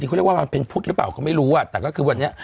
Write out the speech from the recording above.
เขาเรียกว่ามันเป็นพุทธหรือเปล่าก็ไม่รู้อ่ะแต่ก็คือวันนี้